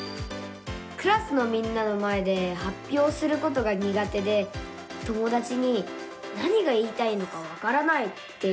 クラスのみんなの前ではっぴょうすることがにが手で友だちに「何が言いたいのかわからない」って言われちゃうんです。